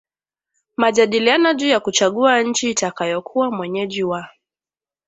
majadiliano juu ya kuchagua nchi itakayokuwa mwenyeji wa